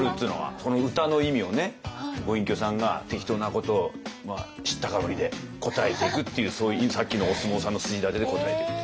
この歌の意味をご隠居さんが適当なことを知ったかぶりで答えていくっていうそういうさっきのお相撲さんの筋立てで答えていくと。